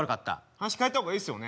話変えた方がいいですよね。